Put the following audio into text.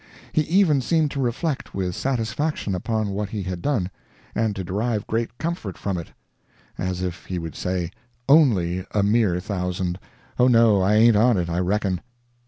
He even seemed to reflect with satisfaction upon what he had done, and to derive great comfort from it—as if he would say, "ONLY a mere thousand—Oh, no I ain't on it, I reckon."